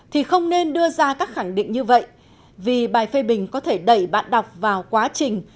thì không nên đưa ra các khẳng định như vậy vì bài phê bình có thể đẩy bạn đọc vào quá trình